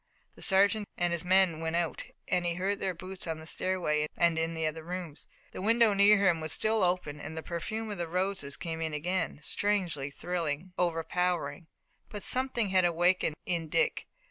The sergeant and his men went out and he heard their boots on the stairway and in the other rooms. The window near him was still open and the perfume of the roses came in again, strangely thrilling, overpowering. But something had awakened in Dick.